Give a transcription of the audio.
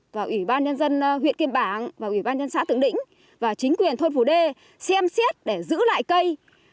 và ủy ban nhân dân huyện kim bảng và ủy ban nhân xã tượng đĩnh và chính quyền thôn phủ đê xem xét để giữ lại cây